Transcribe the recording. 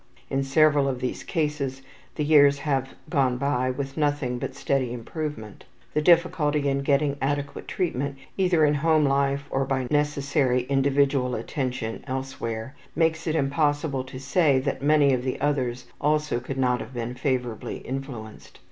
In several of these cases the years have gone by with nothing but steady improvement. The difficulty in getting adequate treatment, either in home life or by the necessary individual attention elsewhere, makes it impossible to say that many of the others also could not have been favorably influenced.